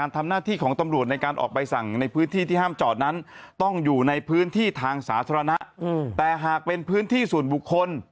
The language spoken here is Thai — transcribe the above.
ที่ห้ามจอดนั้นต้องอยู่ในพื้นที่ทางสาธารณะแต่หากเป็นพื้นที่ส่วนบุคคล